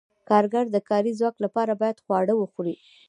کارګر د کاري ځواک لپاره باید خواړه وخوري.